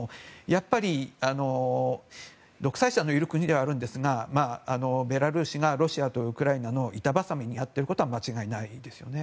やっぱり独裁者のいる国ではあるんですがベラルーシがロシアとウクライナの板挟みにあうということは間違いないですよね。